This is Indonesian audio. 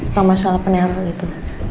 atau masalah penyaruh itu